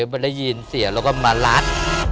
ไปได้ยินเสีอแล้วก็มาลัด